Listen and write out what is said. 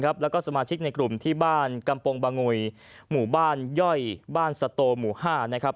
แล้วก็สมาชิกในกลุ่มที่บ้านกำปงบางุยหมู่บ้านย่อยบ้านสโตหมู่๕นะครับ